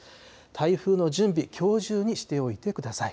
台風の準備、きょう中にしておいてください。